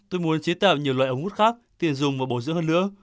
tôi muốn chế tạo nhiều loại ống hút khác tiền dùng và bổ dưỡng hơn nữa